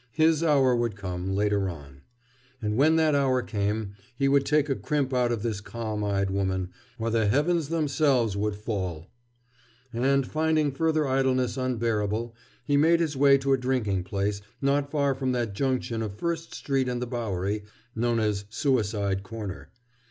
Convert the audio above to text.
His hour would come, later on. And when that hour came, he would take a crimp out of this calm eyed woman, or the heavens themselves would fall! And finding further idleness unbearable, he made his way to a drinking place not far from that juncture of First Street and the Bowery, known as Suicide Corner.